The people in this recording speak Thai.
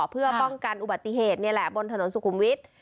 เพื่อป้องกันอุบัติเหตุนี่แหละบนถนนสุขุมวิทย์